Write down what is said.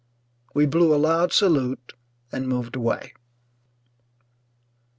We blew a loud salute and moved away.